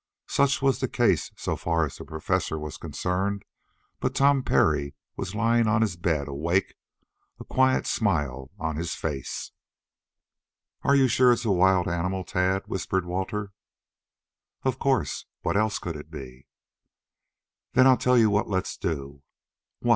Such was the case so far as the Professor was concerned, but Tom Parry was lying on his bed awake, a quiet smile on his face. "Are you sure it's a wild animal, Tad?" whispered Walter. "Of course. What else could it be?" "Then I'll tell you what let's do." "What?"